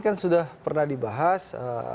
kan sudah pernah dibahas